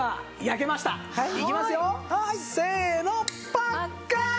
パッカーン！